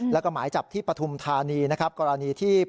แล้วก็หมายจับที่ปฐุมธานี